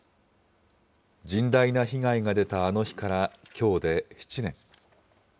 甚大な被害が出たあの日からきょうで７年。